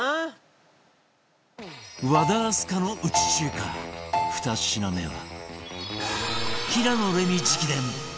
和田明日香のうち中華２品目は